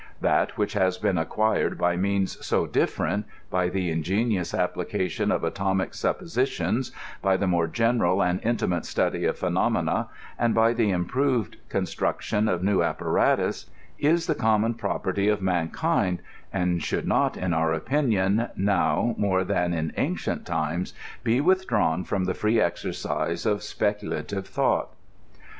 That which has been acquired by means so difierent — ^by the ingenious application of atomic suppositions, by the more general and intimate study of phenomena, and by the improved construction of new apparatuses the common prop erty of mankind, and should not, in our opinion, now, more than in ancient times, be withdrawn from the free exercise of speculative thought.